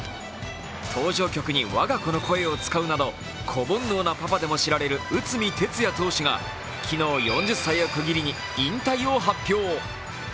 登場曲に我が子の声を使うなど、子煩悩なパパでも知られる内海哲也投手が昨日、４０歳を区切りに引退を発表。